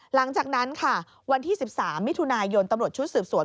หลังจากนั้นค่ะวันที่๑๓มิถุนายนตำรวจชุดสืบสวน